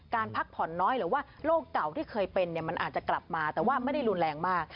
พักผ่อนน้อยหรือว่าโรคเก่าที่เคยเป็นมันอาจจะกลับมาแต่ว่าไม่ได้รุนแรงมาก